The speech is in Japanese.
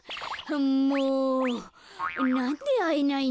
もうなんであえないの？